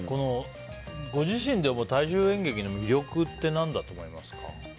ご自身でも大衆演劇の魅力って何だと思いますか？